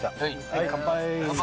はい乾杯。